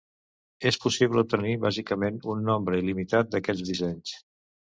És possible obtenir bàsicament un nombre il·limitat d'aquests dissenys.